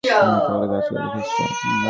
এদের সকলেই গাসসানী খ্রিষ্টান।